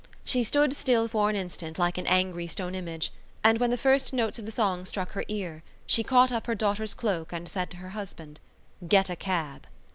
She stood still for an instant like an angry stone image and, when the first notes of the song struck her ear, she caught up her daughter's cloak and said to her husband: "Get a cab!"